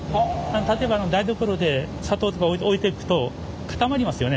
例えば台所で砂糖とか置いとくと固まりますよね？